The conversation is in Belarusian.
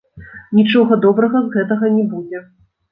Нічога добрага з гэтага не будзе.